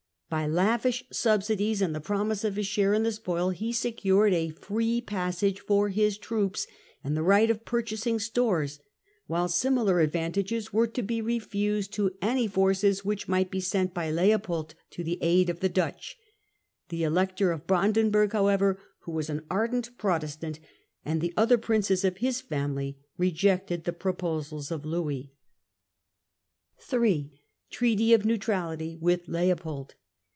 By lavish subsidies And with and the promise of a share in the spoil, he man^fnces, secured a free passage for his troops and the July 1671. right of purchasing stores, while similar advan tages were to be refused to any forces which might be sent by Leopold to the aid of the Dutch. The Elector 01 Brandenburg however, who was an ardent Protestant, and the other Princes of his family, rejected the proposals of Louis. 3. Treaty of Neutrality with Leopold.